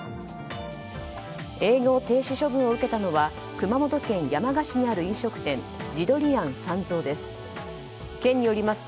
営業停止処分を受けたのは熊本県山鹿市にある飲食店地どり庵三蔵です。